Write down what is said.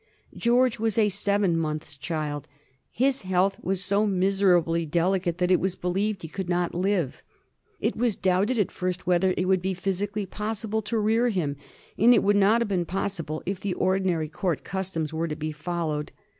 George was a seven months' child. His health was so miserably deli cate that it was believed be could not live. It was doubted at first whether it would be physically possible to rear him ; and it would not have been possible if the ordinary Court customs were to be followed.